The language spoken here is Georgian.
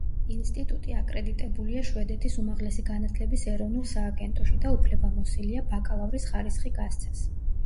ინსტიტუტი აკრედიტებულია შვედეთის უმაღლესი განათლების ეროვნულ სააგენტოში და უფლებამოსილია ბაკალავრის ხარისხი გასცეს.